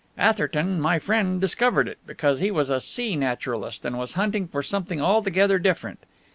Atherton my friend discovered it, because he was a sea naturalist, and was hunting for something altogether different.